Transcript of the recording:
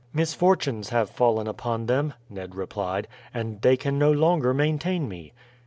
"Misfortunes have fallen upon them," Ned replied, "and they can no longer maintain me."